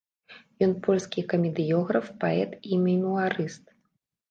Ён польскі камедыёграф, паэт і мемуарыст.